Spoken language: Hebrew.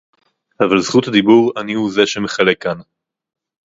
אבל זכות הדיבור אני הוא זה שמחלק כאן